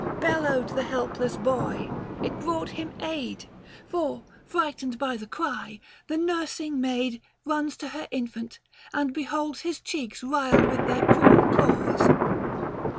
Bellowed the helpless boy ; it brought him aid ; For, frightened by the cry, the nursing maid 170 Book VI. THE FASTI. 179 Runs to her infant, and beholds his cheeks Riled with their cruel claws.